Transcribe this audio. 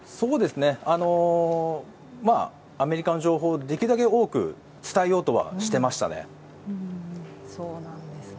アメリカの情報をできるだけ多く伝えようとはしていましたね。